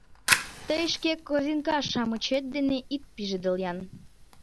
— Тый шке корзинка-шамычет дене ит пижедыл-ян!